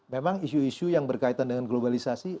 memang isu isu yang berkaitan dengan globalisasi